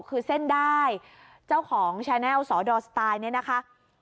คือเส้นได้เจ้าของแชนแลลสอดอสไตล์เนี่ยนะคะ